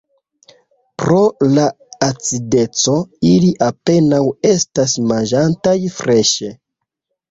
Pro la acideco ili apenaŭ estas manĝataj freŝe.